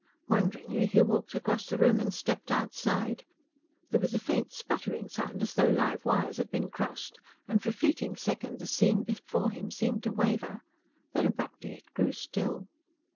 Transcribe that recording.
Wonderingly he walked across the room and stepped outside. There was a faint sputtering sound, as though live wires had been crossed, and for a fleeting second the scene before him seemed to waver. Then, abruptly, it grew still.